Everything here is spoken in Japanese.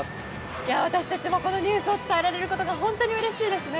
私たちもこのニュースを伝えられることが本当にうれしいですね。